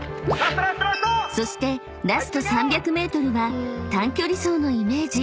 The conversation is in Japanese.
［そしてラスト３００ｍは短距離走のイメージ］